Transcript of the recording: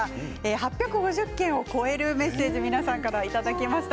８５０件を超えるメッセージ皆さんからいただきました。